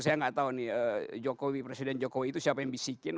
saya nggak tahu nih jokowi presiden jokowi itu siapa yang bisikin